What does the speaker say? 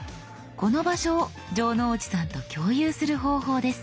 この場所を城之内さんと共有する方法です。